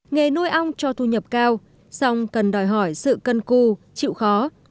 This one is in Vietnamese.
nghề nuôi ong cho thu nhập cao song cần đòi hỏi sự cân cư chịu khó